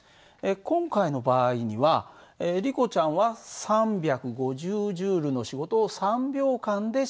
今回の場合にはリコちゃんは３５０Ｊの仕事を３秒間でした。